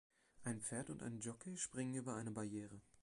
Ein Pferd und ein Jockey springen über eine Barriere.